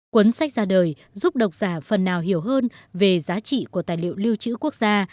cuốn sách ra đời giúp độc giả phần nào hiểu hơn về giá trị của tài liệu lưu trữ quốc gia